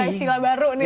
istilah istilah baru nih